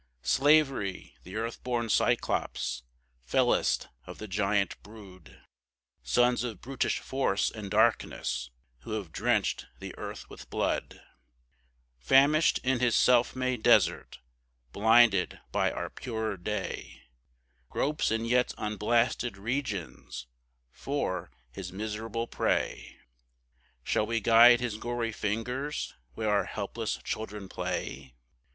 Slavery, the earth born Cyclops, fellest of the giant brood, Sons of brutish Force and Darkness, who have drenched the earth with blood, Famished in his self made desert, blinded by our purer day, Gropes in yet unblasted regions for his miserable prey;— Shall we guide his gory fingers where our helpless children play?